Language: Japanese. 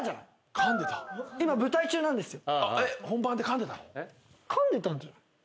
今舞台中なんですよ。